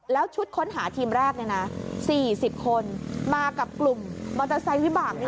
แล้วชุดค้นหาทีมแรก๔๐คนมากับกลุ่มมอเตอร์ไซค์วิบาก